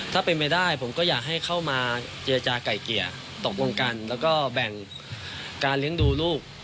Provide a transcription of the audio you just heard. ถ้าเป็นไปได้ผมก็อยากให้เข้ามาเจรจาไก่เกลี่ยตกลงกันแล้วก็แบ่งการเลี้ยงดูลูก